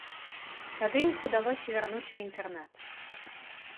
Тады іх удалося вярнуць ў інтэрнат.